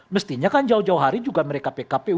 mestinya kan jauh jauh hari juga mereka pkpu